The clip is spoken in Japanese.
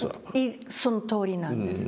そのとおりなんです。